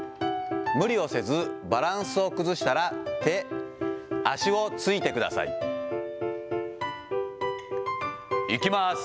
無理をせず、バランスを崩したら、手、足をついてください。いきます。